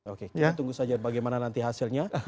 oke kita tunggu saja bagaimana nanti hasilnya